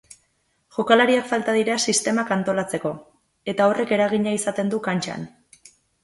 Jokalariak falta dira sistemak antolatzeko, eta horrek eragina izaten du kantxan.